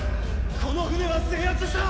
この艦は制圧した！